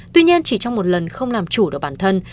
tuy nhiên chỉ trong một lần không làm chủ được bản thân